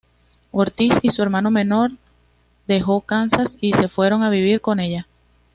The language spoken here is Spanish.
Ortiz y su hermano menor dejó Kansas y se fueron a vivir con ella.